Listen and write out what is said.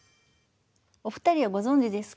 お二人はご存じですか？